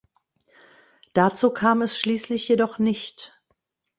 Dazu kam es schließlich jedoch nicht.